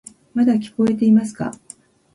まだ聞こえていますか？